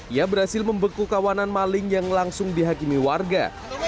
ia berhasil membeku kawanan maling yang langsung dihakimi warga